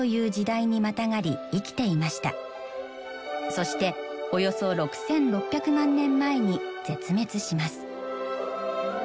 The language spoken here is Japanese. そしておよそ６，６００万年前に絶滅します。